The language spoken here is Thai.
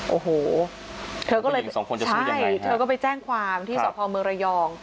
โอ้โหเธอก็เลยอีกสองคนจะพูดยังไงเธอก็ไปแจ้งความที่สพเมืองระยอง